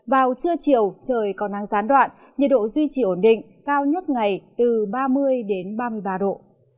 vào trưa chiều trời còn nắng gián đoạn nhiệt độ duy trì ổn định cao nhất ngày từ ba mươi ba mươi ba độ